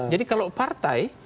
jadi kalau partai